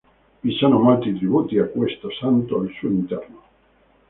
Vi sono molti tributi a questo santo al suo interno.